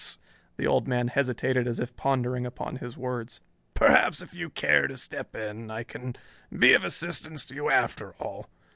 The old man hesitated, as if pondering upon his words. "Perhaps if you care to step in I can be of assistance to you after all.